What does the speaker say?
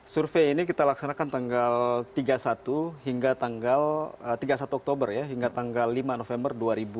survei ini kita laksanakan tanggal tiga puluh satu oktober hingga tanggal lima november dua ribu enam belas